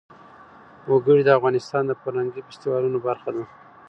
وګړي د افغانستان د فرهنګي فستیوالونو برخه ده.